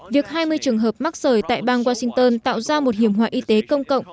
việc hai mươi trường hợp mắc sởi tại bang washington tạo ra một hiểm họa y tế công cộng